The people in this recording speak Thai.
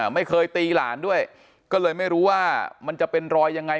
ไม่เคยตีหลานด้วยก็เลยไม่รู้ว่ามันจะเป็นรอยยังไง